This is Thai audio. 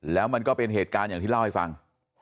แล้วมันก็เป็นเหตุการณ์อย่างที่เล่าให้ฟัง